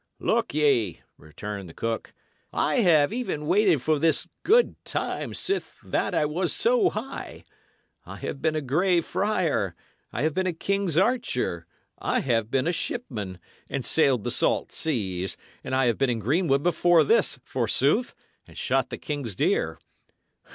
"Look ye," returned the cook, "I have even waited for this good time sith that I was so high. I have been a grey friar; I have been a king's archer; I have been a shipman, and sailed the salt seas; and I have been in greenwood before this, forsooth! and shot the king's deer.